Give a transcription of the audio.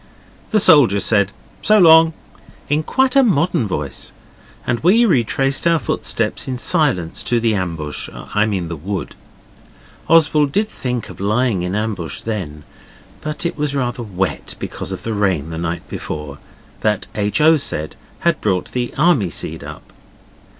The soldier said 'So long!' in quite a modern voice, and we retraced our footsteps in silence to the ambush I mean the wood. Oswald did think of lying in the ambush then, but it was rather wet, because of the rain the night before, that H. O. said had brought the army seed up.